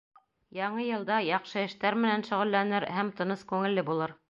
Яңы йылда яҡшы эштәр менән шөғөлләнер һәм тыныс күңелле булыр.